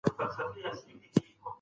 د خبرو لپاره یوه ژبه.